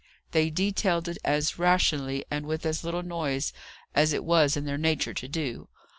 They detailed it as rationally and with as little noise as it was in their nature to do.